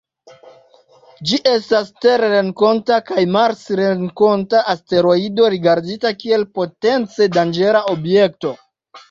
Ĝi estas terrenkonta kaj marsrenkonta asteroido, rigardita kiel potence danĝera objekto.